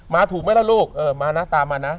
ถูกไหมล่ะลูกเออมานะตามมานะ